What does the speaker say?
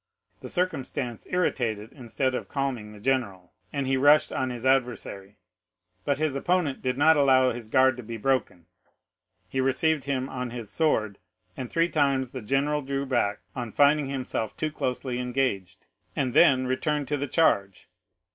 The circumstance irritated instead of calming the general, and he rushed on his adversary. But his opponent did not allow his guard to be broken. He received him on his sword and three times the general drew back on finding himself too closely engaged, and then returned to the charge.